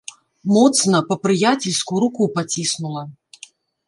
Моцна, па-прыяцельску руку паціснула.